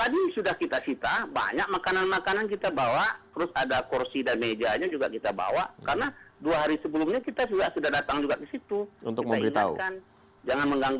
nah orangnya juga